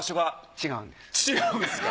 違うんですか。